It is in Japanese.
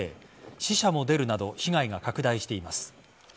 死者も出るなど被害が拡大しています。